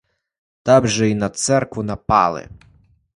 Там же і на церкву напали.